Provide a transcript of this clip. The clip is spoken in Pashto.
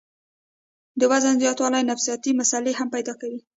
د وزن زياتوالے نفسياتي مسئلې هم پېدا کوي